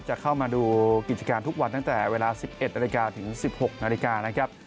จะเข้ามาดูกิจการทุกวันตั้งแต่เวลา๑๑นาฬิกาถึง๑๖นาฬิกานะครับ